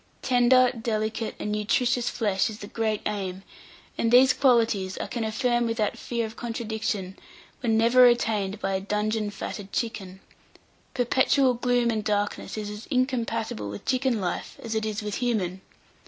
Tender, delicate, and nutritious flesh is the great aim; and these qualities, I can affirm without fear of contradiction, were never attained by a dungeon fatted chicken: perpetual gloom and darkness is as incompatible with chicken life as it is with human.